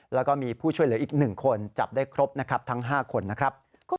แล้วก็มีผู้ช่วยเหลืออีก๑คนจับได้ครบนะครับทั้ง๕คนนะครับ